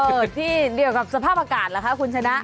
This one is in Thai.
เกิดที่เดียวกับสภาพอากาศเหรอคะคุณชนะ